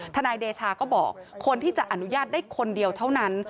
นายเดชาก็บอกคนที่จะอนุญาตได้คนเดียวเท่านั้น